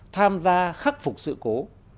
tham gia khắc phục sự cố